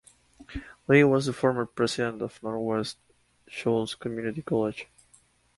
Lee was the former president of Northwest Shoals Community College.